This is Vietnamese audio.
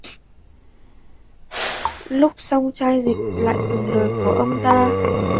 Lúc xong chai dịch lại từng lời của ông ta